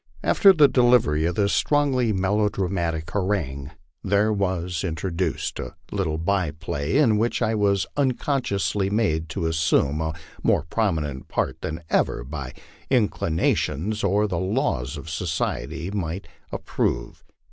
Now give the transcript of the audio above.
After the delivery of this strongly melodramatic harangue there was intro duced a little by play, in which I was unconsciously made to assume a more prominent part than either my inclinations or the laws of society might ap prove.